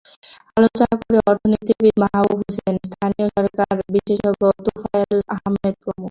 আলোচনা করেন অর্থনীতিবিদ মাহবুব হোসেন, স্থানীয় সরকার বিশেষজ্ঞ তোফায়েল আহমেদ প্রমুখ।